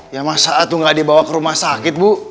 iya masa atuh nggak dibawa ke rumah sakit bu